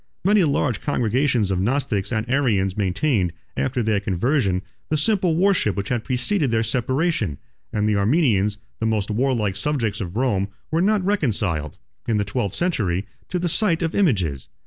Many large congregations of Gnostics and Arians maintained, after their conversion, the simple worship which had preceded their separation; and the Armenians, the most warlike subjects of Rome, were not reconciled, in the twelfth century, to the sight of images.